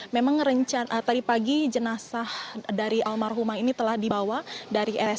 memang rencana tadi pagi jenazah dari almarhumah ini telah dibawa dari rsud